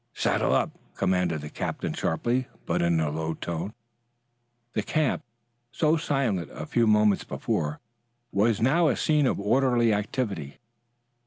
"Saddle up," commanded the captain sharply, but in a low tone. The camp, so silent a few moments before, was now a scene of orderly activity.